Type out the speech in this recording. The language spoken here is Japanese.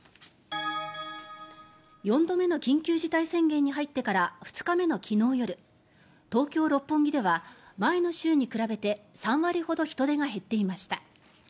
４度目の緊急事態宣言に入ってから２日目の昨日夜東京・六本木では前の週に比べて３割ほど人出が減っていました。